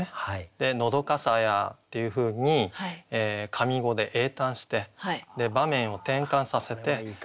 で「のどかさや」っていうふうに上五で詠嘆して場面を転換させて「枯山水」。